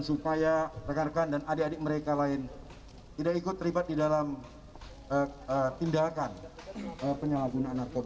supaya rekan rekan dan adik adik mereka lain tidak ikut terlibat di dalam tindakan penyalahgunaan narkoba